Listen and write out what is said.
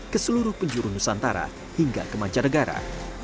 ke seluruh penjuru nusantara hingga ke manca negara